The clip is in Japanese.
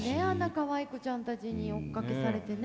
かわい子ちゃんたちに追っかけされてね。